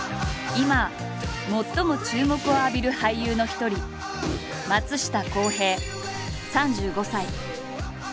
今最も注目を浴びる俳優の一人松下洸平３５歳。